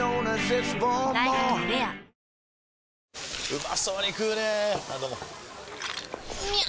うまそうに食うねぇあどうもみゃう！！